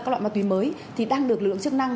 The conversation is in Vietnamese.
các loại ma túy mới thì đang được lực lượng chức năng